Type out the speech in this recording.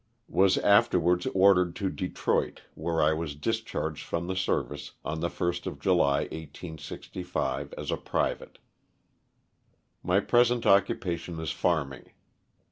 Was afterwards ordered to Detroit, where I was discharged from the service on the 1st of July, 1865, as a private. My present occupation is farming.